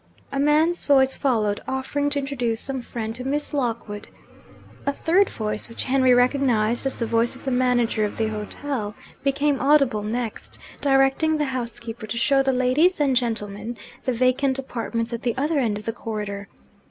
A man's voice followed, offering to introduce some friend to 'Miss Lockwood.' A third voice (which Henry recognised as the voice of the manager of the hotel) became audible next, directing the housekeeper to show the ladies and gentlemen the vacant apartments at the other end of the corridor.